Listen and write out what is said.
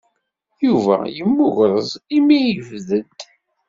Yuba yemmugreẓ imi ay yebded.